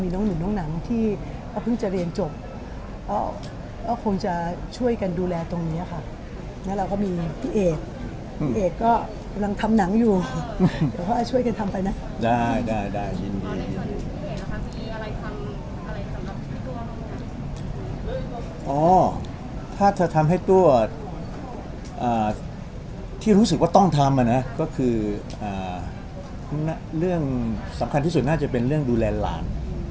มันคือเรื่องที่เขาเพิ่งจะเรียนจบเขาคงจะช่วยกันดูแลตรงนี้ค่ะแล้วเราก็มีพี่เอกเอกก็ทำหนังอยู่ช่วงนี้พี่เอกมีอะไรสำหรับถ้าทำให้ตัวที่รู้สึกว่าต้องทำอะก็คือสำคัญที่สุดน่าจะเป็นเรื่องดูแลหลาน